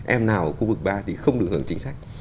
em nào ở khu vực ba thì không được hưởng chính sách